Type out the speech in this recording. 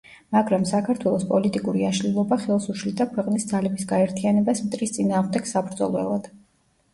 მაგრამ საქართველოს პოლიტიკური აშლილობა ხელს უშლიდა ქვეყნის ძალების გაერთიანებას მტრის წინააღმდეგ საბრძოლველად.